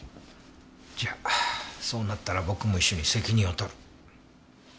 じゃそうなったら僕も一緒に責任を取る。